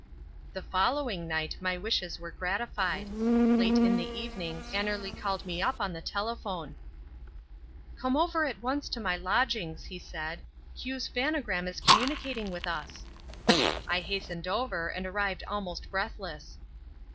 The following night my wishes were gratified. Late in the evening Annerly called me up on the telephone. "Come over at once to my lodgings," he said. "Q's phanogram is communicating with us." I hastened over, and arrived almost breathless.